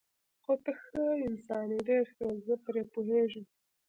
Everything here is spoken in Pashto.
خو ته ښه انسان یې، ډېر ښه، زه پرې پوهېږم.